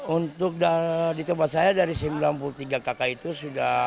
untuk di tempat saya dari sembilan puluh tiga kakak itu sudah